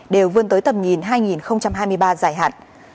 đều vươn tới tầm nhìn hai nghìn hai mươi ba dài hạn